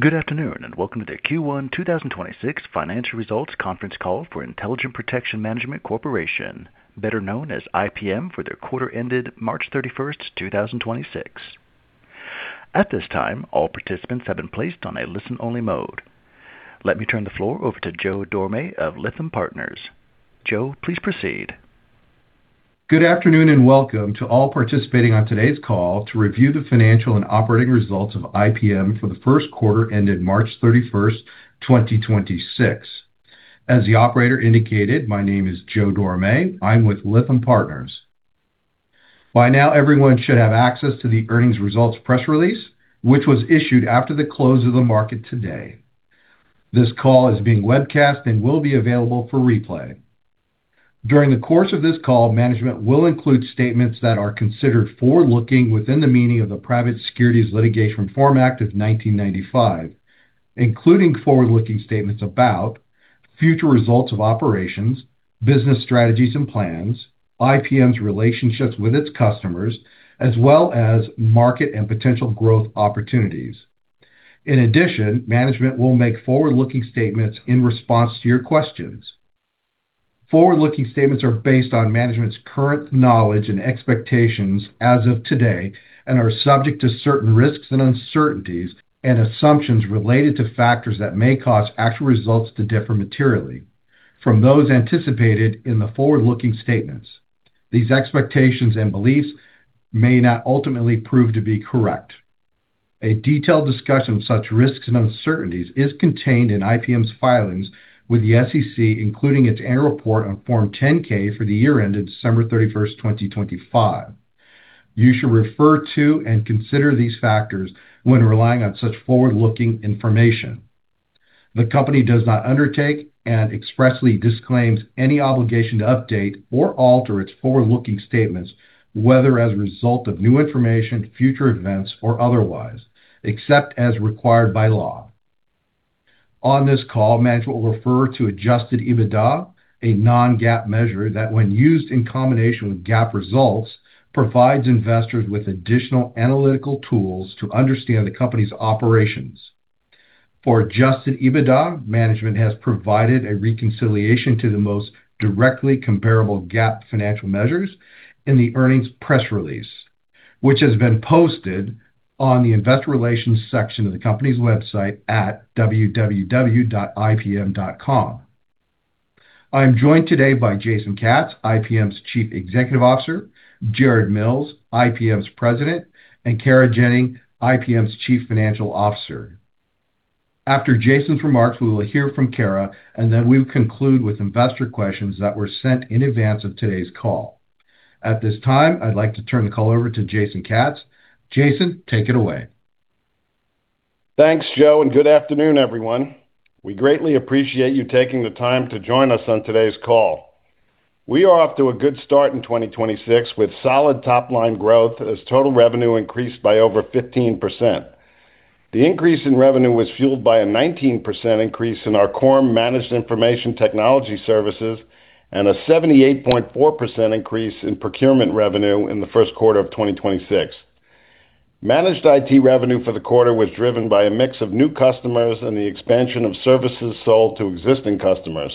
Good afternoon, and welcome to the Q1 2026 financial results conference call for Intelligent Protection Management Corporation, better known as IPM for their quarter ended March 31st, 2026. At this time, all participants have been placed on a listen-only mode. Let me turn the floor over to Joe Dorame of Lytham Partners. Joe, please proceed. Good afternoon, welcome to all participating on today's call to review the financial and operating results of IPM for the first quarter ended March 31st, 2026. As the operator indicated, my name is Joe Dorame. I'm with Lytham Partners. By now, everyone should have access to the earnings results press release, which was issued after the close of the market today. This call is being webcast and will be available for replay. During the course of this call, management will include statements that are considered forward-looking within the meaning of the Private Securities Litigation Reform Act of 1995, including forward-looking statements about future results of operations, business strategies and plans, IPM's relationships with its customers, as well as market and potential growth opportunities. Management will make forward-looking statements in response to your questions. Forward-looking statements are based on management's current knowledge and expectations as of today and are subject to certain risks and uncertainties and assumptions related to factors that may cause actual results to differ materially from those anticipated in the forward-looking statements. These expectations and beliefs may not ultimately prove to be correct. A detailed discussion of such risks and uncertainties is contained in IPM's filings with the SEC, including its Annual Report on Form 10-K for the year ended December 31st, 2025. You should refer to and consider these factors when relying on such forward-looking information. The company does not undertake and expressly disclaims any obligation to update or alter its forward-looking statements, whether as a result of new information, future events, or otherwise, except as required by law. On this call, management will refer to adjusted EBITDA, a non-GAAP measure that, when used in combination with GAAP results, provides investors with additional analytical tools to understand the company's operations. For adjusted EBITDA, management has provided a reconciliation to the most directly comparable GAAP financial measures in the earnings press release, which has been posted on the Investor relations section of the company's website at www.ipm.com. I am joined today by Jason Katz, IPM's Chief Executive Officer, Jared Mills, IPM's President, and Kara Jenny, IPM's Chief Financial Officer. After Jason's remarks, we will hear from Kara, and then we will conclude with investor questions that were sent in advance of today's call. At this time, I'd like to turn the call over to Jason Katz. Jason, take it away. Thanks, Joe. Good afternoon, everyone. We greatly appreciate you taking the time to join us on today's call. We are off to a good start in 2026 with solid top-line growth as total revenue increased by over 15%. The increase in revenue was fueled by a 19% increase in our core managed information technology services and a 78.4% increase in procurement revenue in the first quarter of 2026. Managed IT revenue for the quarter was driven by a mix of new customers and the expansion of services sold to existing customers.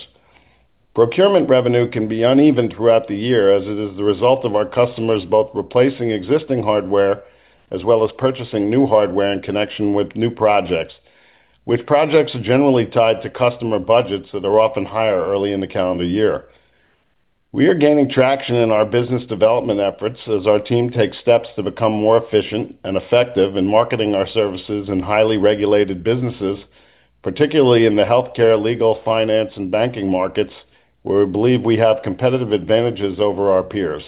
Procurement revenue can be uneven throughout the year as it is the result of our customers both replacing existing hardware as well as purchasing new hardware in connection with new projects, which projects are generally tied to customer budgets that are often higher early in the calendar year. We are gaining traction in our business development efforts as our team takes steps to become more efficient and effective in marketing our services in highly regulated businesses, particularly in the healthcare, legal, finance, and banking markets, where we believe we have competitive advantages over our peers.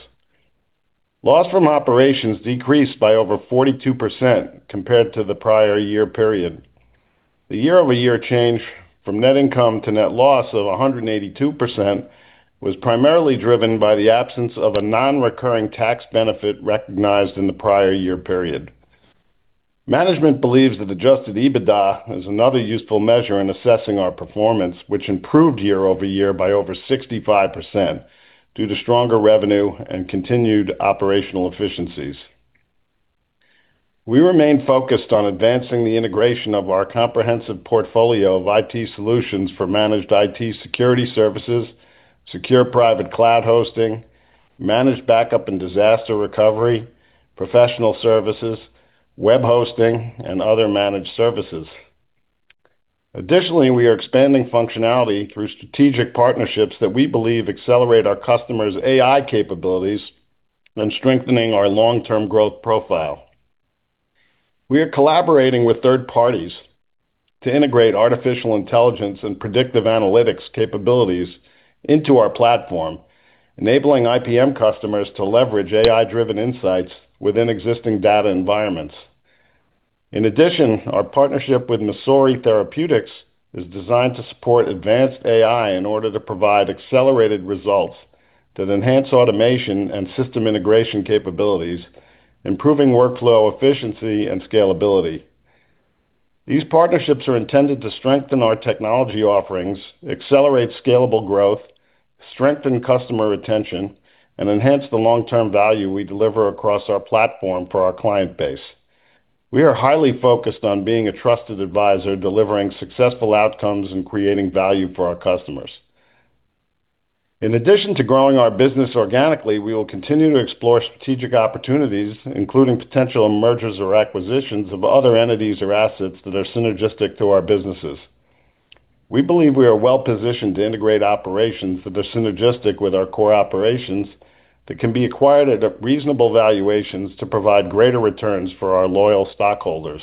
Loss from operations decreased by over 42% compared to the prior year period. The year-over-year change from net income to net loss of 182% was primarily driven by the absence of a non-recurring tax benefit recognized in the prior year period. Management believes that adjusted EBITDA is another useful measure in assessing our performance, which improved year-over-year by over 65% due to stronger revenue and continued operational efficiencies. We remain focused on advancing the integration of our comprehensive portfolio of IT solutions for managed IT security services, secure private cloud hosting, managed backup and disaster recovery, professional services, web hosting, and other managed services. Additionally, we are expanding functionality through strategic partnerships that we believe accelerate our customers' AI capabilities and strengthening our long-term growth profile. We are collaborating with third parties to integrate artificial intelligence and predictive analytics capabilities into our platform, enabling IPM customers to leverage AI-driven insights within existing data environments. In addition, our partnership with MASORI Therapeutics is designed to support advanced AI in order to provide accelerated results that enhance automation and system integration capabilities, improving workflow efficiency and scalability. These partnerships are intended to strengthen our technology offerings, accelerate scalable growth, strengthen customer retention, and enhance the long-term value we deliver across our platform for our client base. We are highly focused on being a trusted advisor, delivering successful outcomes and creating value for our customers. In addition to growing our business organically, we will continue to explore strategic opportunities, including potential mergers or acquisitions of other entities or assets that are synergistic to our businesses. We believe we are well-positioned to integrate operations that are synergistic with our core operations that can be acquired at a reasonable valuation to provide greater returns for our loyal stockholders.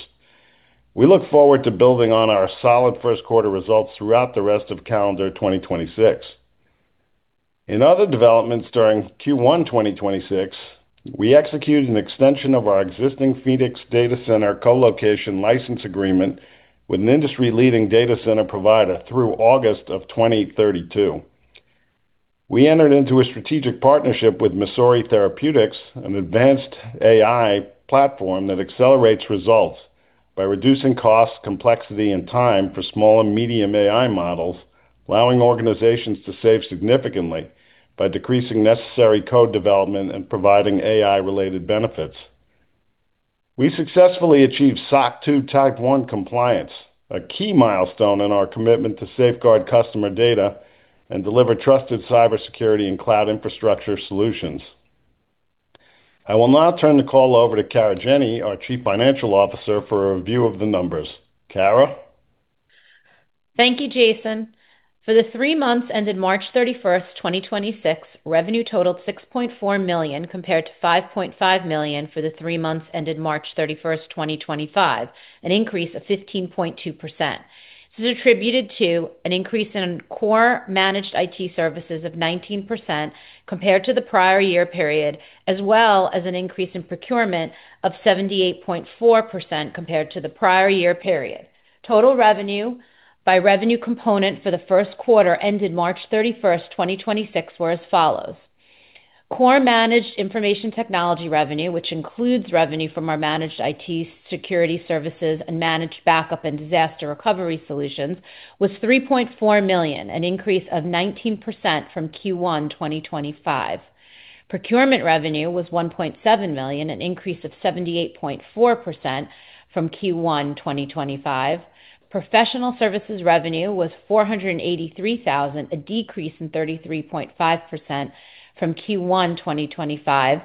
We look forward to building on our solid first quarter results throughout the rest of calendar 2026. In other developments during Q1 2026, we executed an extension of our existing Phoenix data center colocation license agreement with an industry-leading data center provider through August of 2032. We entered into a strategic partnership with MASORI Therapeutics, an advanced AI platform that accelerates results by reducing costs, complexity, and time for small and medium AI models, allowing organizations to save significantly by decreasing necessary code development and providing AI-related benefits. We successfully achieved SOC 2 Type 1 compliance, a key milestone in our commitment to safeguard customer data and deliver trusted cybersecurity and cloud infrastructure solutions. I will now turn the call over to Kara Jenny, our Chief Financial Officer, for a review of the numbers. Kara? Thank you, Jason. For the three months ended March 31st, 2026, revenue totaled $6.4 million compared to $5.5 million for the three months ended March 31st, 2025, an increase of 15.2%. This is attributed to an increase in core managed IT services of 19% compared to the prior year period, as well as an increase in procurement of 78.4% compared to the prior year period. Total revenue by revenue component for the first quarter ended March 31st, 2026 were as follows: Core managed information technology revenue, which includes revenue from our managed IT security services and managed backup and disaster recovery solutions, was $3.4 million, an increase of 19% from Q1 2025. Procurement revenue was $1.7 million, an increase of 78.4% from Q1 2025. Professional services revenue was $483,000, a decrease in 33.5% from Q1 2025,.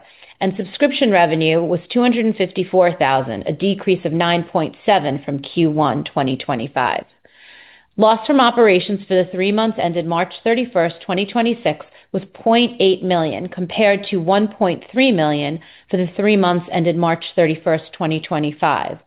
Subscription revenue was $254,000, a decrease of 9.7% from Q1 2025. Loss from operations for the three months ended March 31st, 2026 was $0.8 million compared to $1.3 million for the three months ended March 31st, 2025.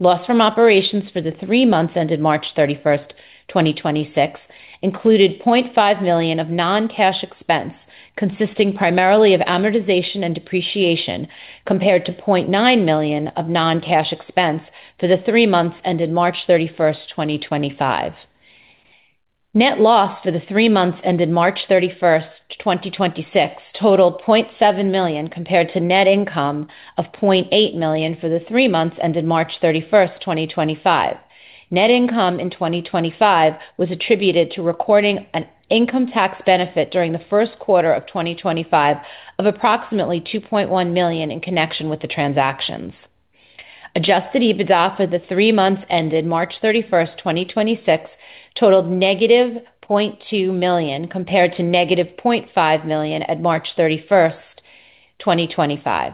Loss from operations for the three months ended March 31st, 2026 included $0.5 million of non-cash expense, consisting primarily of amortization and depreciation, compared to $0.9 million of non-cash expense for the three months ended March 31st, 2025. Net loss for the three months ended March 31st, 2026 totaled $0.7 million compared to net income of $0.8 million for the three months ended March 31st, 2025. Net income in 2025 was attributed to recording an income tax benefit during the first quarter of 2025 of approximately $2.1 million in connection with the transactions. Adjusted EBITDA for the three months ended March 31st, 2026 totaled negative $0.2 million compared to negative $0.5 million at March 31st, 2025.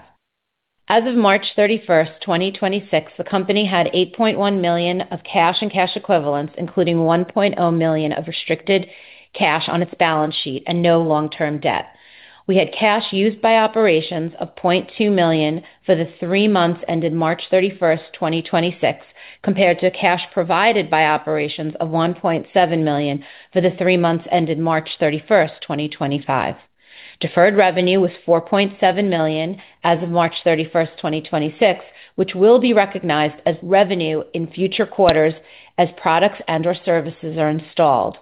As of March 31st, 2026, the company had $8.1 million of cash and cash equivalents, including $1.0 million of restricted cash on its balance sheet and no long-term debt. We had cash used by operations of $0.2 million for the three months ended March 31st, 2026, compared to cash provided by operations of $1.7 million for the three months ended March 31st, 2025. Deferred revenue was $4.7 million as of March 31st, 2026, which will be recognized as revenue in future quarters as products and/or services are installed.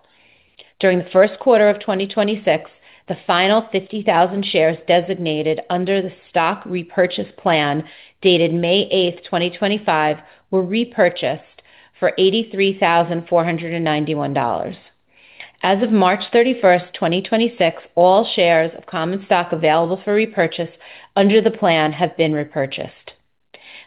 During the first quarter of 2026, the final 50,000 shares designated under the stock repurchase plan dated May 8th, 2025 were repurchased for $83,491. As of March 31st, 2026, all shares of common stock available for repurchase under the plan have been repurchased.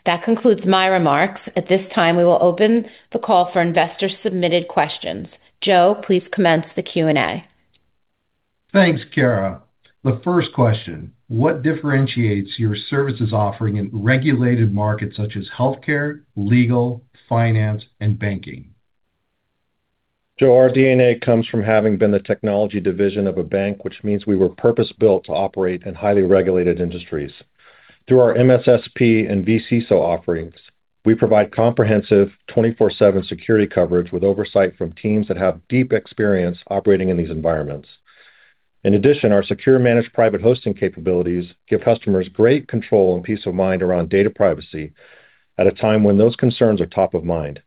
That concludes my remarks. At this time, we will open the call for investor-submitted questions. Joe, please commence the Q&A. Thanks, Kara. The first question: What differentiates your services offering in regulated markets such as healthcare, legal, finance, and banking? Joe, our DNA comes from having been the technology division of a bank, which means we were purpose-built to operate in highly regulated industries. Through our MSSP and vCISO offerings, we provide comprehensive 24/7 security coverage with oversight from teams that have deep experience operating in these environments. In addition, our secure managed private hosting capabilities give customers great control and peace of mind around data privacy at a time when those concerns are top of mind.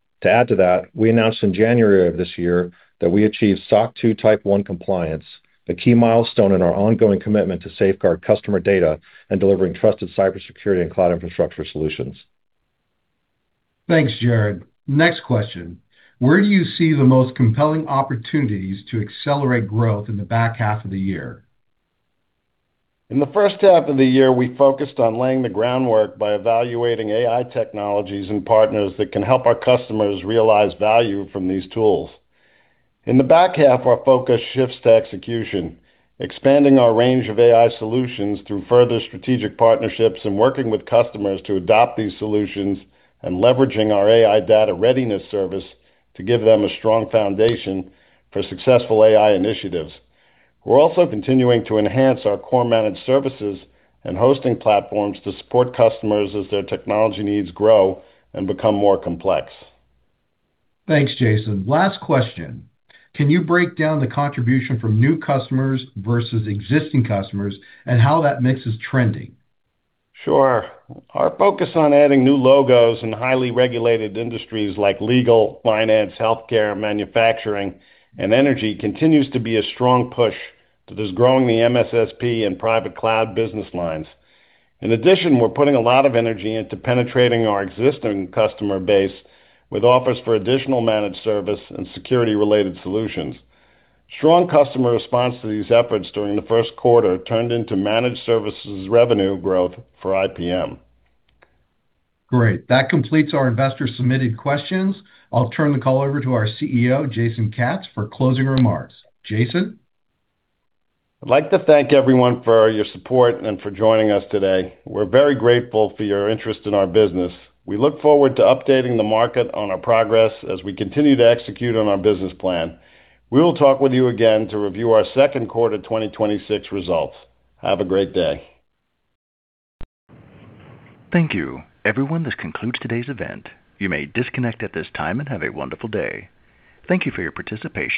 We announced in January of this year that we achieved SOC 2 Type 1 compliance, a key milestone in our ongoing commitment to safeguard customer data and delivering trusted cybersecurity and cloud infrastructure solutions. Thanks, Jared. Next question. Where do you see the most compelling opportunities to accelerate growth in the back half of the year? In the first half of the year, we focused on laying the groundwork by evaluating AI technologies and partners that can help our customers realize value from these tools. In the back half, our focus shifts to execution, expanding our range of AI solutions through further strategic partnerships and working with customers to adopt these solutions and leveraging our AI data readiness service to give them a strong foundation for successful AI initiatives. We're also continuing to enhance our core managed services and hosting platforms to support customers as their technology needs grow and become more complex. Thanks, Jason. Last question. Can you break down the contribution from new customers versus existing customers and how that mix is trending? Sure. Our focus on adding new logos in highly regulated industries like legal, finance, healthcare, manufacturing, and energy continues to be a strong push that is growing the MSSP and private cloud business lines. In addition, we're putting a lot of energy into penetrating our existing customer base with offers for additional managed service and security-related solutions. Strong customer response to these efforts during the first quarter turned into managed services revenue growth for IPM. Great. That completes our investor-submitted questions. I'll turn the call over to our CEO, Jason Katz, for closing remarks. Jason? I'd like to thank everyone for your support and for joining us today. We're very grateful for your interest in our business. We look forward to updating the market on our progress as we continue to execute on our business plan. We will talk with you again to review our second quarter 2026 results. Have a great day. Thank you. Everyone, this concludes today's event. You may disconnect at this time, and have a wonderful day. Thank you for your participation.